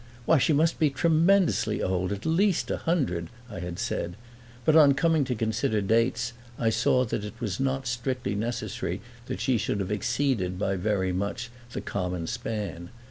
"Why, she must be tremendously old at least a hundred," I had said; but on coming to consider dates I saw that it was not strictly necessary that she should have exceeded by very much the common span.